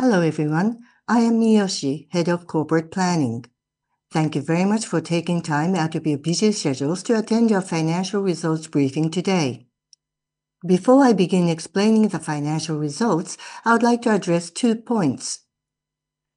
Hello, everyone. I am Miyoshi, Head of Corporate Planning. Thank you very much for taking time out of your busy schedules to attend our financial results briefing today. Before I begin explaining the financial results, I would like to address two points.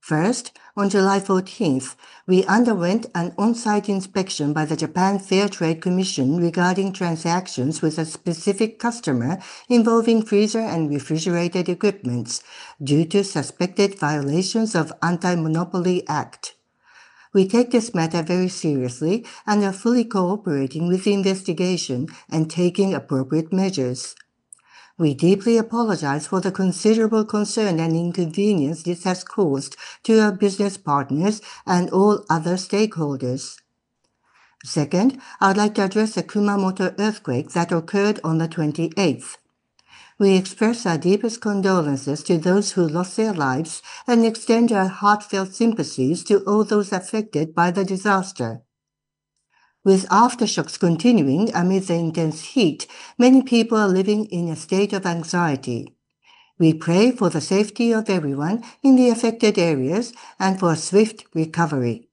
First, on July 14, we underwent an on-site inspection by the Japan Fair Trade Commission regarding transactions with a specific customer involving freezer and refrigerated equipment due to suspected violations of Antimonopoly Act. We take this matter very seriously and are fully cooperating with the investigation and taking appropriate measures. We deeply apologize for the considerable concern and inconvenience this has caused to our business partners and all other stakeholders. Second, I would like to address the Kumamoto earthquake that occurred on the 28th. We express our deepest condolences to those who lost their lives and extend our heartfelt sympathies to all those affected by the disaster. With aftershocks continuing amid the intense heat, many people are living in a state of anxiety. We pray for the safety of everyone in the affected areas and for a swift recovery.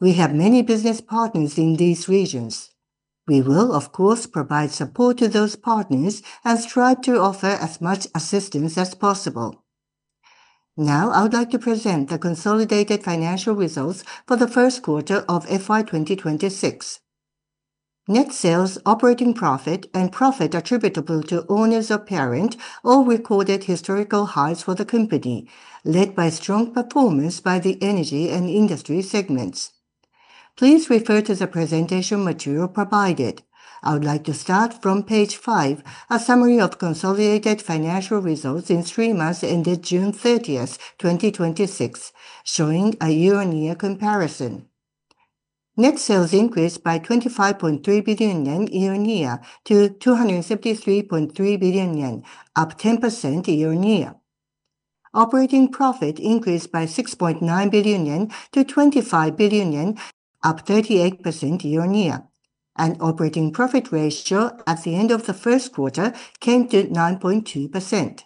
We have many business partners in these regions. We will, of course, provide support to those partners and strive to offer as much assistance as possible. I would like to present the consolidated financial results for the first quarter of FY 2026. Net sales, operating profit, and profit attributable to owners of parent all recorded historical highs for the company, led by strong performance by the Energy and Industry segments. Please refer to the presentation material provided. I would like to start on page five, a summary of consolidated financial results in three months ended June 30, 2026, showing a year-on-year comparison. Net sales increased by 25.3 billion yen year-on-year to 273.3 billion yen, up 10% year-on-year. Operating profit increased by 6.9 billion-25 billion yen, up 38% year-on-year. Operating profit ratio at the end of the first quarter came to 9.2%.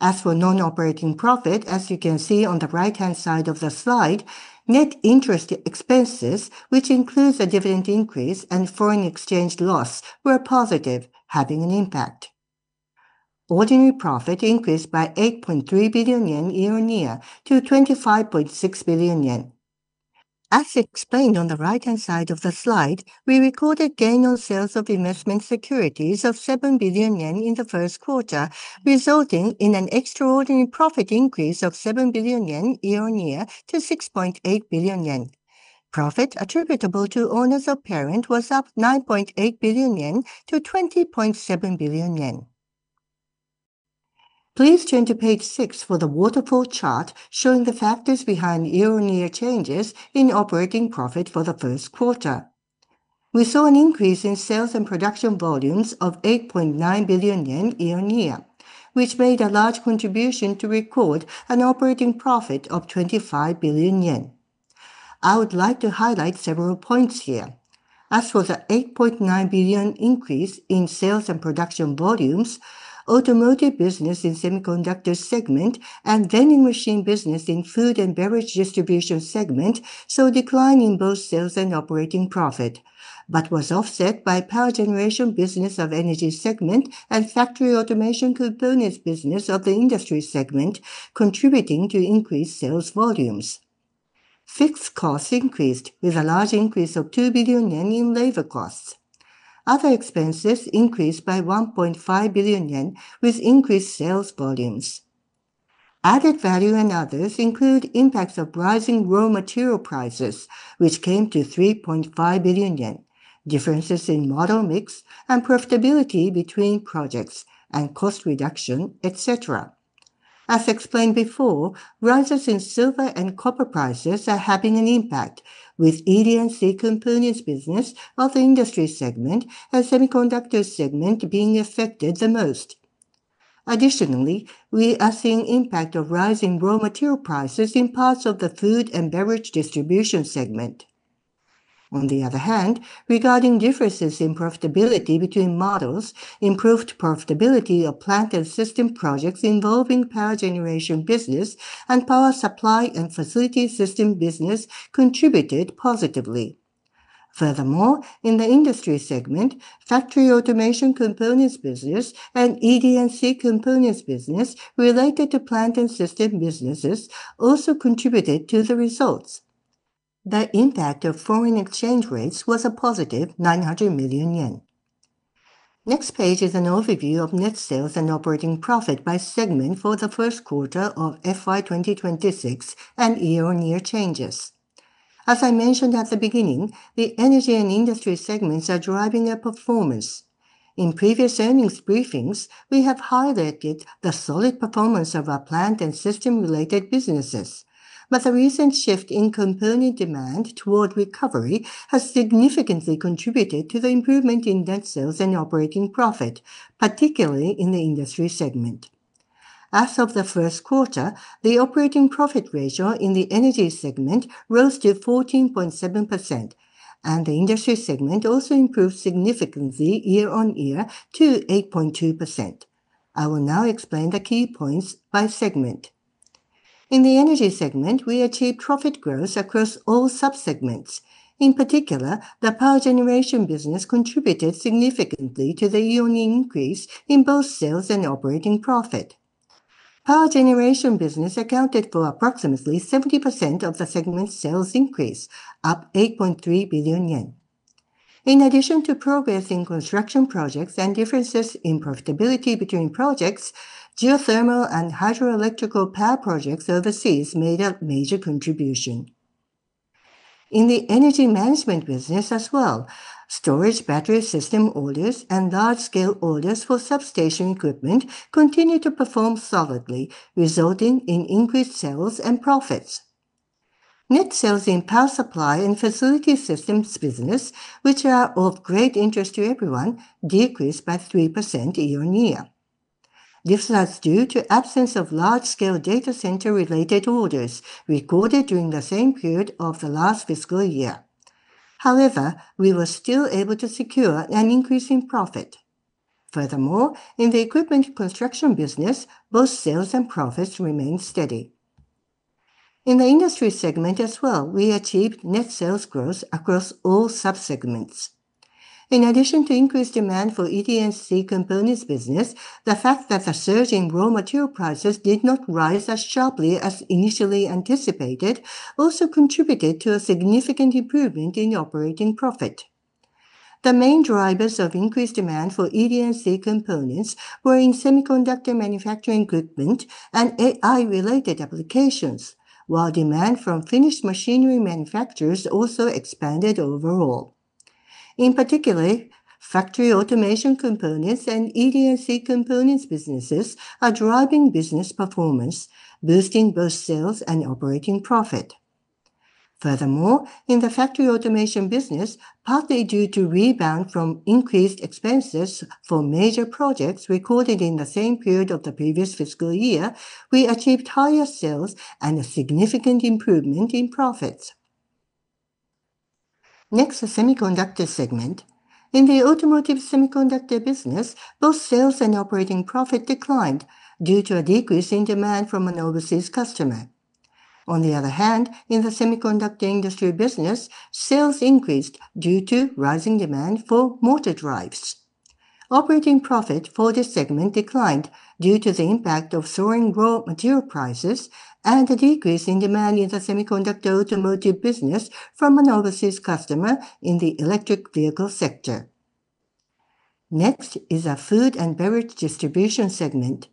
As for non-operating profit, as you can see on the right-hand side of the slide, net interest expenses, which includes a dividend increase and foreign exchange loss, were positive, having an impact. Ordinary profit increased by 8.3 billion yen year-on-year-JPY 25.6 billion. As explained on the right-hand side of the slide, we recorded gain on sales of investment securities of 7 billion yen in the first quarter, resulting in an extraordinary profit increase of 7 billion yen year-on-year-JPY 6.8 billion. Profit attributable to owners of parent was up 9.8 billion-20.7 billion yen. Please turn to page six for the waterfall chart showing the factors behind year-on-year changes in operating profit for the first quarter. We saw an increase in sales and production volumes of 8.9 billion yen year-on-year, which made a large contribution to record an operating profit of 25 billion yen. I would like to highlight several points here. As for the 8.9 billion increase in sales and production volumes, Automotive Semiconductor business in Semiconductors segment and Vending Machine business in Food and Beverage Distribution segment saw a decline in both sales and operating profit, but was offset by Power Generation business of Energy segment and Factory Automation Components business of the Industry segment, contributing to increased sales volumes. Fixed costs increased with a large increase of 2 billion yen in labor costs. Other expenses increased by 1.5 billion yen with increased sales volumes. Added value and others include impacts of rising raw material prices, which came to 3.5 billion yen, differences in model mix and profitability between projects, and cost reduction, etc. As explained before, rises in silver and copper prices are having an impact with ED&C Components business of the Industry segment and Semiconductors segment being affected the most. Additionally, we are seeing impact of rising raw material prices in parts of the Food and Beverage Distribution segment. On the other hand, regarding differences in profitability between models, improved profitability of plant and system projects involving Power Generation business and Power Supply & Facility Systems business contributed positively. Furthermore, in the Industry segment, Factory Automation Components business and ED&C Components business related to plant and system businesses also contributed to the results. The impact of foreign exchange rates was a positive 900 million yen. Next page is an overview of net sales and operating profit by segment for the first quarter of FY 2026 and year-on-year changes. As I mentioned at the beginning, the Energy and Industry segments are driving our performance. In previous earnings briefings, we have highlighted the solid performance of our plant and system-related businesses. The recent shift in component demand toward recovery has significantly contributed to the improvement in net sales and operating profit, particularly in the Industry segment. As of the first quarter, the operating profit ratio in the Energy segment rose to 14.7%. The Industry segment also improved significantly year-on-year to 8.2%. I will now explain the key points by segment. In the Energy segment, we achieved profit growth across all sub-segments. In particular, the Power Generation business contributed significantly to the year-on-increase in both sales and operating profit. Power Generation business accounted for approximately 70% of the segment's sales increase, up 8.3 billion yen. In addition to progress in construction projects and differences in profitability between projects, geothermal and hydro-electrical power projects overseas made a major contribution. In the Energy Management business as well, storage battery system orders and large-scale orders for substation equipment continue to perform solidly, resulting in increased sales and profits. Net sales in Power Supply & Facility Systems business, which are of great interest to everyone, decreased by 3% year-on-year. This was due to absence of large-scale data center related orders recorded during the same period of the last fiscal year. However, we were still able to secure an increase in profit. Furthermore, in the Equipment Construction business, both sales and profits remained steady. In the Industry segment as well, we achieved net sales growth across all sub-segments. In addition to increased demand for ED&C Components business, the fact that the surge in raw material prices did not rise as sharply as initially anticipated also contributed to a significant improvement in operating profit. The main drivers of increased demand for ED&C Components were in semiconductor manufacturing equipment and AI-related applications, while demand from finished machinery manufacturers also expanded overall. In particular, Factory Automation Components and ED&C Components businesses are driving business performance, boosting both sales and operating profit. Furthermore, in the Factory Automation business, partly due to rebound from increased expenses for major projects recorded in the same period of the previous fiscal year, we achieved higher sales and a significant improvement in profits. Next, the Semiconductors segment. In the Automotive Semiconductor business, both sales and operating profit declined due to a decrease in demand from an overseas customer. In the Industrial Semiconductor business, sales increased due to rising demand for motor drives. Operating profit for this segment declined due to the impact of soaring raw material prices and a decrease in demand in the Automotive Semiconductor business from an overseas customer in the electric vehicle sector. Next is our Food and Beverage Distribution segment.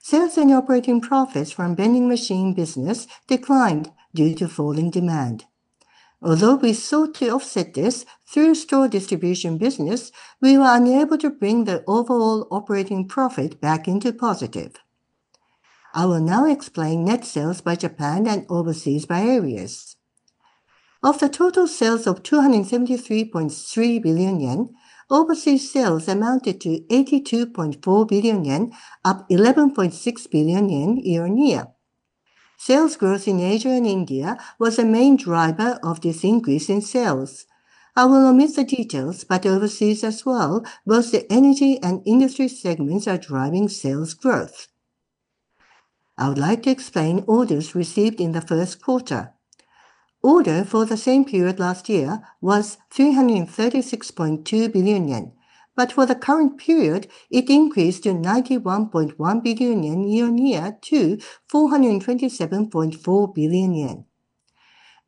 Sales and operating profits from Vending Machine business declined due to falling demand. Although we sought to offset this through Store Distribution business, we were unable to bring the overall operating profit back into positive. I will now explain net sales by Japan and overseas by areas. Of the total sales of 273.3 billion yen, overseas sales amounted to 82.4 billion yen, up 11.6 billion yen year-on-year. Sales growth in Asia and India was the main driver of this increase in sales. I will omit the details. Overseas as well, both the Energy and Industry segments are driving sales growth. I would like to explain orders received in the first quarter. Order for the same period last year was 336.2 billion yen, for the current period, it increased 91.1 billion yen year-on-year to 427.4 billion yen.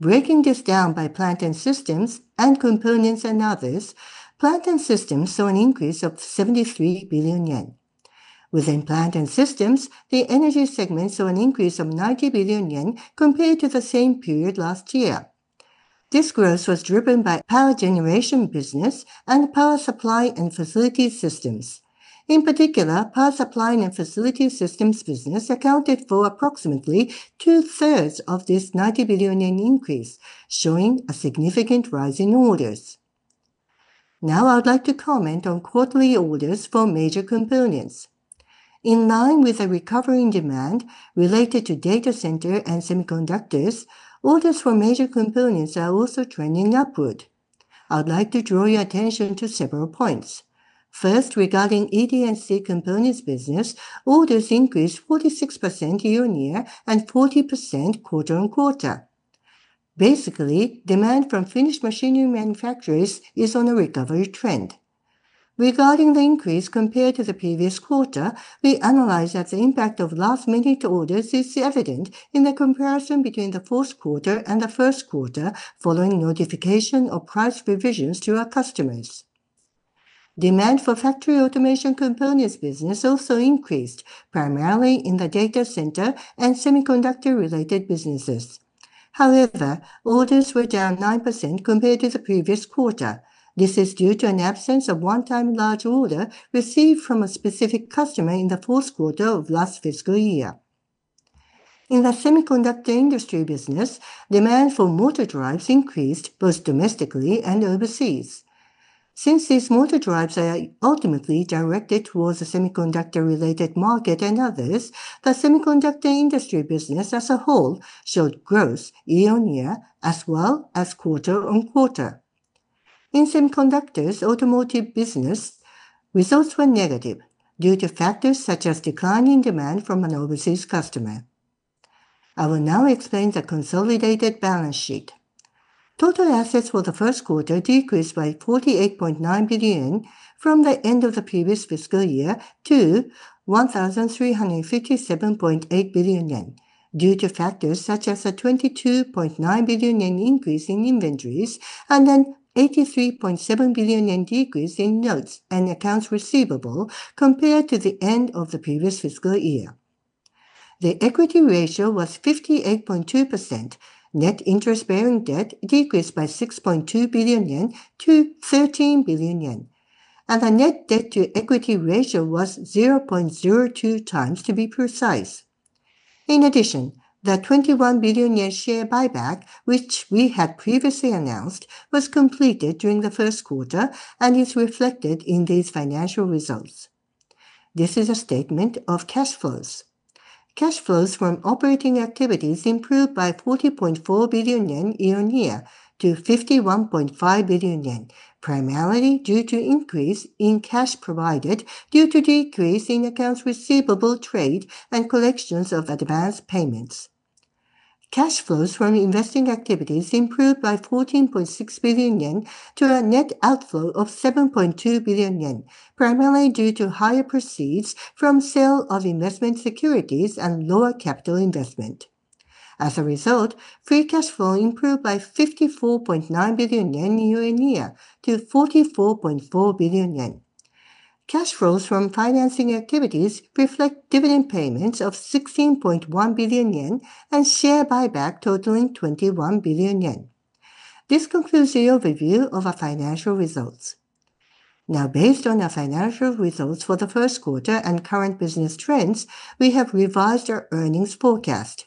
Breaking this down by Plant & Systems and Components and Others, Plant & Systems saw an increase of 73 billion yen. Within Plant & Systems, the Energy segment saw an increase of 90 billion yen compared to the same period last year. This growth was driven by Power Generation business and Power Supply & Facility Systems business. In particular, Power Supply & Facility Systems business accounted for approximately two thirds of this 90 billion yen increase, showing a significant rise in orders. I would like to comment on quarterly orders for major components. In line with the recovery in demand related to data center and semiconductors, orders for major components are also trending upward. I would like to draw your attention to several points. First, regarding ED&C Components business, orders increased 46% year-on-year and 40% quarter-on-quarter. Basically, demand from finished machinery manufacturers is on a recovery trend. Regarding the increase compared to the previous quarter, we analyzed that the impact of last-minute orders is evident in the comparison between the fourth quarter and the first quarter, following notification of price revisions to our customers. Demand for Factory Automation Components business also increased, primarily in the data center and semiconductor related businesses. Orders were down 9% compared to the previous quarter. This is due to an absence of one-time large order received from a specific customer in the fourth quarter of last fiscal year. In the Industrial Semiconductor business, demand for motor drives increased both domestically and overseas. Since these motor drives are ultimately directed towards the semiconductor-related market and others, the Industrial Semiconductor business as a whole showed growth year-on-year as well as quarter-on-quarter. In Automotive Semiconductor business, results were negative due to factors such as declining demand from an overseas customer. I will now explain the consolidated balance sheet. Total assets for the first quarter decreased by 48.9 billion from the end of the previous fiscal year to 1,357.8 billion yen, due to factors such as a 22.9 billion yen increase in inventories and a JPY 83.7 billion decrease in notes and accounts receivable compared to the end of the previous fiscal year. The equity ratio was 58.2%. Net interest-bearing debt decreased by 6.2 billion-13 billion yen, the net debt to equity ratio was 0.02x to be precise. In addition, the 21 billion yen share buyback, which we had previously announced, was completed during the first quarter and is reflected in these financial results. This is a statement of cash flows. Cash flows from operating activities improved by 40.4 billion yen year-on-year to 51.5 billion yen, primarily due to increase in cash provided due to decrease in accounts receivable trade and collections of advanced payments. Cash flows from investing activities improved by 14.6 billion yen to a net outflow of 7.2 billion yen, primarily due to higher proceeds from sale of investment securities and lower capital investment. As a result, free cash flow improved by 54.9 billion yen year-on-year to 44.4 billion yen. Cash flows from financing activities reflect dividend payments of 16.1 billion yen and share buyback totaling 21 billion yen. This concludes the overview of our financial results. Based on our financial results for the first quarter and current business trends, we have revised our earnings forecast.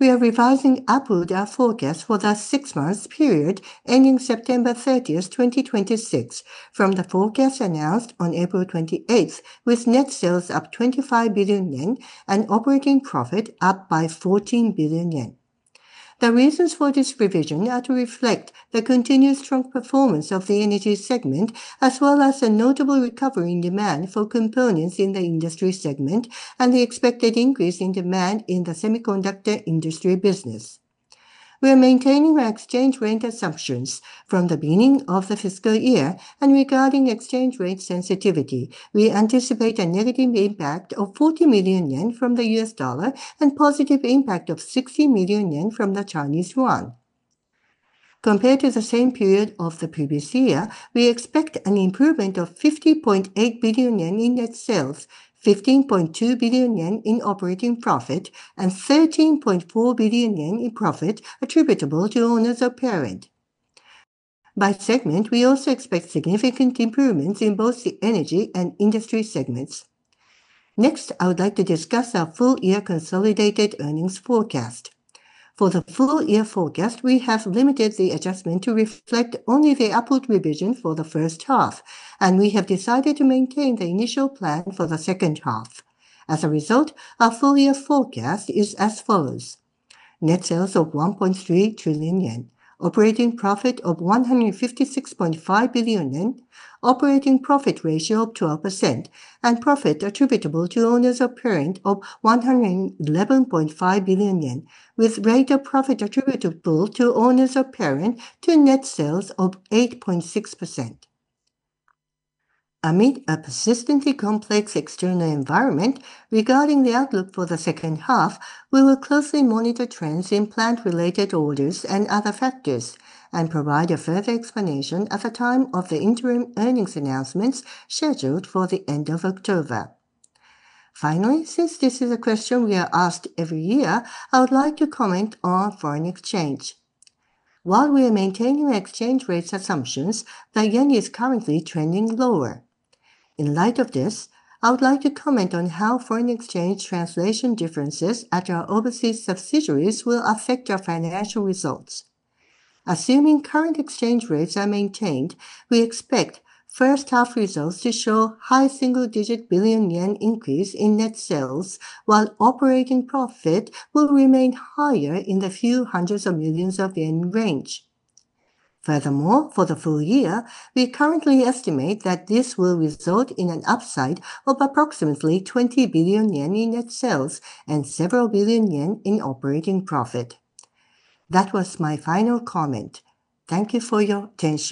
We are revising upward our forecast for the six-month period ending September 30, 2026, from the forecast announced on April 28, with net sales up 25 billion yen and operating profit up by 14 billion yen. The reasons for this revision are to reflect the continued strong performance of the Energy segment, as well as the notable recovery in demand for components in the Industry segment and the expected increase in demand in the semiconductor industry business. We are maintaining our exchange rate assumptions from the beginning of the fiscal year, regarding exchange rate sensitivity, we anticipate a negative impact of 40 million yen from the US dollar and positive impact of 60 million yen from the Chinese yuan. Compared to the same period of the previous year, we expect an improvement of 50.8 billion yen in net sales, 15.2 billion yen in operating profit, and 13.4 billion yen in profit attributable to owners of parent. By segment, we also expect significant improvements in both the Energy and Industry segments. Next, I would like to discuss our full year consolidated earnings forecast. For the full year forecast, we have limited the adjustment to reflect only the upward revision for the first half, we have decided to maintain the initial plan for the second half. As a result, our full year forecast is as follows: net sales of 1.3 trillion yen, operating profit of 156.5 billion yen, operating profit ratio of 12%, and profit attributable to owners of parent of 111.5 billion yen, with rate of profit attributable to owners of parent to net sales of 8.6%. Amid a persistently complex external environment, regarding the outlook for the second half, we will closely monitor trends in plant-related orders and other factors, provide a further explanation at the time of the interim earnings announcements scheduled for the end of October. Finally, since this is a question we are asked every year, I would like to comment on foreign exchange. While we are maintaining exchange rate assumptions, the yen is currently trending lower. In light of this, I would like to comment on how foreign exchange translation differences at our overseas subsidiaries will affect our financial results. Assuming current exchange rates are maintained, we expect first half results to show high single-digit billion yen increase in net sales, while operating profit will remain higher in the few hundreds of millions of yen range. For the full year, we currently estimate that this will result in an upside of approximately 20 billion yen in net sales and several billion yen in operating profit. That was my final comment. Thank you for your attention.